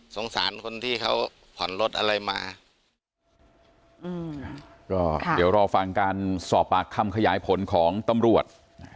สารคนที่เขาผ่อนรถอะไรมาอืมก็เดี๋ยวรอฟังการสอบปากคำขยายผลของตำรวจ